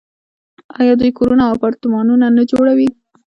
آیا دوی کورونه او اپارتمانونه نه جوړوي؟